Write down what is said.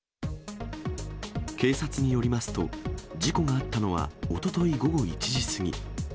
警察によりますと、事故があったのは、おととい午後１時過ぎ。